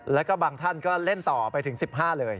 แล้วก็บางท่านก็เล่นต่อไปถึง๑๕เลย